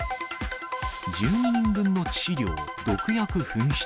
１２人分の致死量、毒薬紛失。